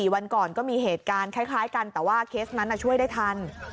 วันก่อนก็มีเหตุการณ์คล้ายกันแต่ว่าเคสนั้นช่วยได้ทัน